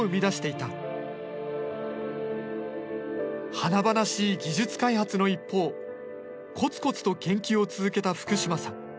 華々しい技術開発の一方コツコツと研究を続けた福島さん。